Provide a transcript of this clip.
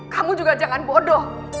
kamu juga jangan bodoh